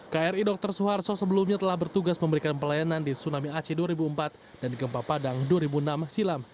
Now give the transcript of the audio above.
kri dr suharto sebelumnya telah bertugas memberikan pelayanan di tsunami aceh dua ribu empat dan gempa padang dua ribu enam silam